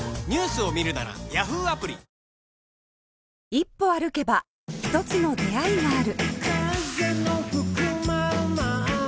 一歩歩けば一つの出会いがある